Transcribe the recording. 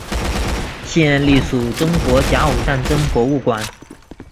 现隶属中国甲午战争博物馆。